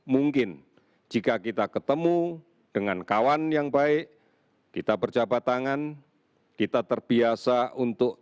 mungkin jika kita ketemu dengan kawan yang baik kita berjabat tangan kita terbiasa untuk